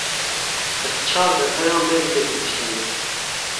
Ez çar deqeyan berî te gihîştim vir.